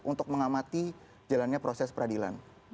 untuk mengamati jalannya proses peradilan